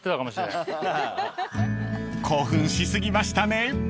［興奮し過ぎましたね］